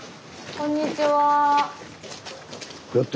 こんにちは。